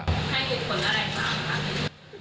ให้ผลอะไรต่างครับ